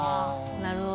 なるほど。